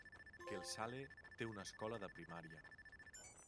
Kelsale té una escola de primària.